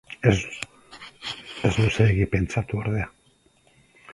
Ez luzeegi pentsatu, ordea.